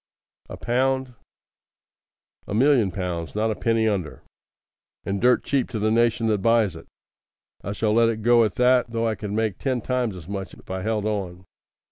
"A pound?" "A million pounds. Not a penny under. And dirt cheap to the nation that buys it. I shall let it go at that, though I could make ten times as much if I held on.